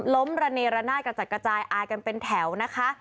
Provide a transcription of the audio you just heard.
ระเนระนาดกระจัดกระจายอายกันเป็นแถวนะคะ